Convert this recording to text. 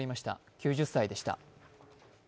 ９０歳でした。